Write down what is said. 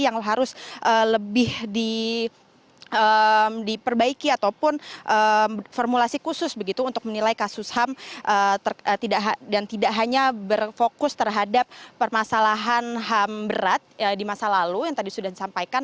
yang harus lebih diperbaiki ataupun formulasi khusus begitu untuk menilai kasus ham dan tidak hanya berfokus terhadap permasalahan ham berat di masa lalu yang tadi sudah disampaikan